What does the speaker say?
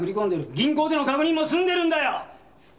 銀行での確認も済んでるんだよ。